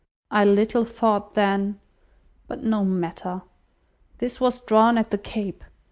I little thought then—but no matter. This was drawn at the Cape.